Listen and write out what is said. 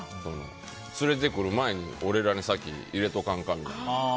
連れてくる前に俺らに先入れておかんかって。